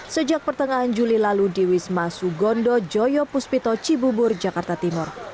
sejak pertengahan juli lalu di wisma sugondo joyo puspito cibubur jakarta timur